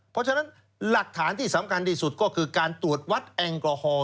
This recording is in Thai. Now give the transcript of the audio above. เพราะฉะนั้นหลักฐานที่สำคัญที่สุดก็คือการตรวจวัดแอลกอฮอล